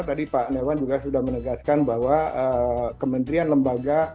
tadi pak nerwan juga sudah menegaskan bahwa kementerian lembaga